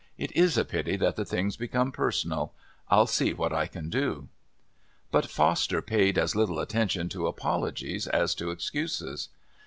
It is a pity that the thing's become personal. I'll see what I can do." But Foster paid as little attention to apologies as to excuses.